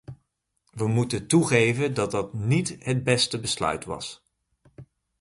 We moeten toegeven dat dat niet het beste besluit was.